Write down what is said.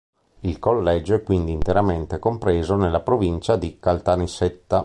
Il collegio è quindi interamente compreso nella provincia di Caltanissetta.